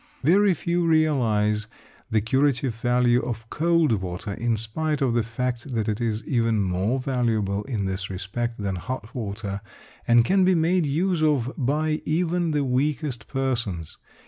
Very few realise the curative value of cold water, in spite of the fact that it is even more valuable in this respect than hot water, and can be made use of by even the weakest persons.